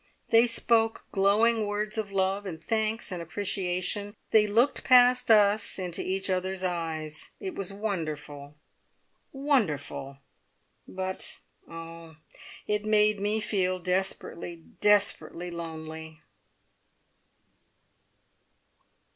They spoke glowing words of love and thanks and appreciation; they looked past us into each other's eyes. It was wonderful, wonderful; but, oh, it made me feel desperately, desperately lonely!